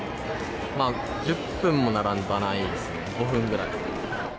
１０分も並ばないですね、５分くらい。